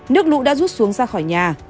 nước lũ đã rút xuống ra khỏi nhà